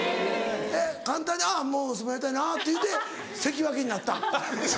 簡単に「もう相撲やりたいな」っていうて関脇になったん？